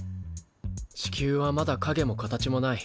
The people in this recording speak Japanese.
地球はまだかげも形もない。